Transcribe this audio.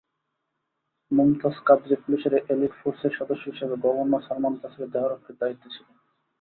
মুমতাজ কাদরি পুলিশের এলিট ফোর্সের সদস্য হিসেবে গভর্নর সালমান তাসিরের দেহরক্ষীর দায়িত্বে ছিলেন।